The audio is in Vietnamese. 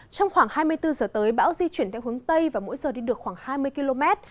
trong khoảng hai mươi bốn giờ tới bão di chuyển theo hướng tây và mỗi giờ đi được khoảng hai mươi km